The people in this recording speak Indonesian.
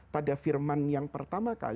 pada firman yang pertama kali